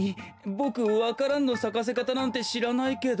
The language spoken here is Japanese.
ボクわか蘭のさかせかたなんてしらないけど。